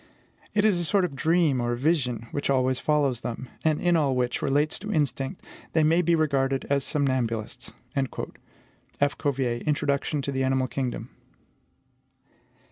It is a sort of dream, or vision, which always follows them and in all which relates to instinct they may be regarded as somnambulists." F. Cuvier: Introduction to the Animal Kingdom.